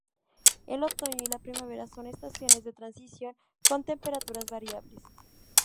El otoño y la primavera son estaciones de transición con temperaturas variables.